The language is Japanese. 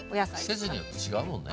季節によって違うもんね。